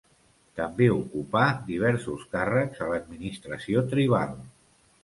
També ocupà diversos càrrecs a l'administració tribal.